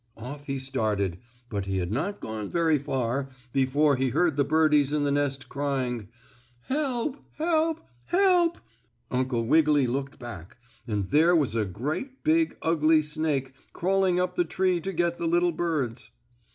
Off he started, but he had not gone very far before he heard the birdies in the nest crying: "Help! Help! Help!" Uncle Wiggily looked back, and there was a great, big, ugly snake crawling up the tree to get the little birds.